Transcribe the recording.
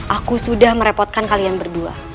aku sudah merepotkan kalian berdua